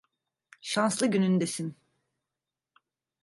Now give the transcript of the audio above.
Şanslı günündesin.